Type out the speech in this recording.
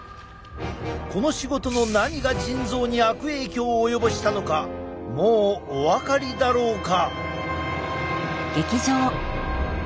この仕事の何が腎臓に悪影響を及ぼしたのかもうお分かりだろうか？